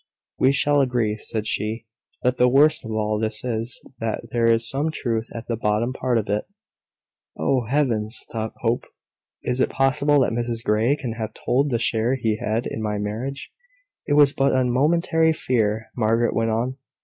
"We shall agree," said she, "that the worst of all this is, that there is some truth at the bottom part of it." "Oh, Heavens!" thought Hope, "is it possible that Mrs Grey can have told the share she had in my marriage?" It was but a momentary fear. Margaret went on.